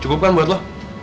cukup kan buat lo